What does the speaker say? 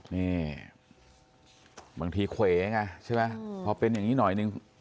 นี่บางทีเขวไงใช่ไหมพอเป็นอย่างนี้หน่อยนึง